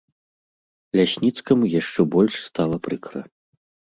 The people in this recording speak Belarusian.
Лясніцкаму яшчэ больш стала прыкра.